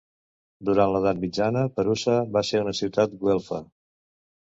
Durant l'edat mitjana, Perusa va ser una ciutat güelfa.